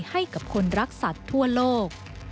ให้กับคนรักสัตว์ทั่วโลก